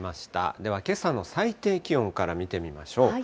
ではけさの最低気温から見てみましょう。